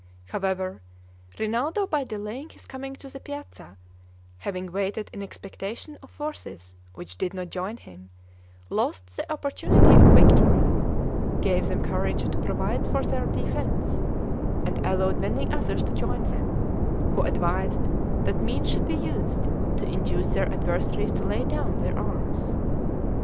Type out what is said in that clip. However, Rinaldo, by delaying his coming to the piazza, having waited in expectation of forces which did not join him, lost the opportunity of victory, gave them courage to provide for their defense, and allowed many others to join them, who advised that means should be used to induce their adversaries to lay down their arms.